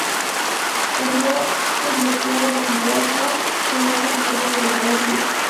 Continuó el bloqueo de Gibraltar, que era defendida por el gobernador Elliot.